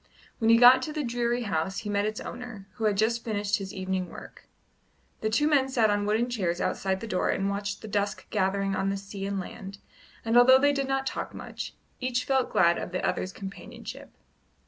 When he got to the dreary house he met its owner, who had just finished his evening work. The two men sat on wooden chairs outside the door and watched the dusk gathering on sea and land, and although they did not talk much, each felt glad of the other's companionship.